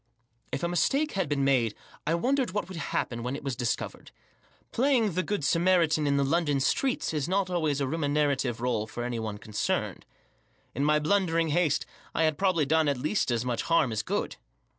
If a mistake had bc«n made I wondered what would happen when it was discovered. Playing the Good Samaritan in the London streets is not always a remunerative rdle for any one concerned. In my blundering haste I had probably done at least as much harm as good.